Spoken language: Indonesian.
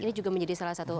ini juga menjadi salah satu